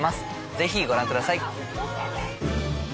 ぜひご覧ください。